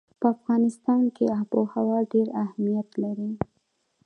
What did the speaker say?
په افغانستان کې آب وهوا ډېر اهمیت لري.